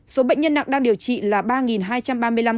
số bệnh nhân nặng đang điều trị là ba hai trăm ba mươi năm ca